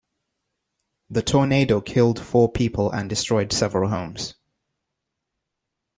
The tornado killed four people and destroyed several homes.